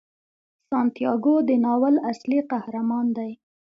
سانتیاګو د ناول اصلي قهرمان دی.